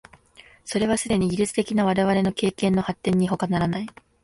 それはすでに技術的な我々の経験の発展にほかならない。